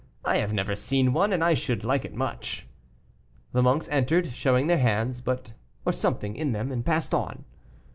I have never seen one, and I should like it much." The monks entered, showing their hands, or something in them, and passed on.